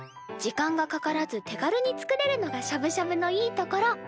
時間がかからず手軽に作れるのがしゃぶしゃぶのいいところ。